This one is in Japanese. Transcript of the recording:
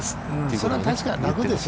それは確かに楽ですよ。